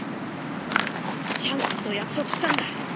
シャンクスと約束したんだ。